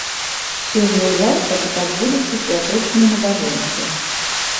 Сёння і заўтра тут адбудуцца святочныя набажэнствы.